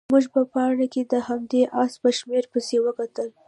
موږ په پاڼه کې د همدې اس په شمېره پسې وکتل.